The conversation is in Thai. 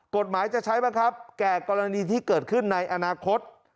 กฎหมายจะใช้บังคับแก่กรณีที่เกิดขึ้นในอนาคต